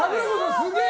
すげえ！